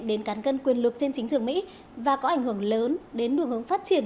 đến cán cân quyền lực trên chính trường mỹ và có ảnh hưởng lớn đến đường hướng phát triển